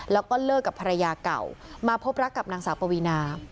แล้วก็เลิกกับภรรยาเก่ามาพบรักกับนางสาวปวีนา